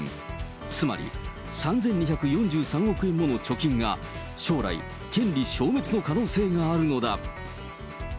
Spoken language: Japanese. つまり３２４３億円もの貯金が、将来、権利消滅の可能性があるのだ。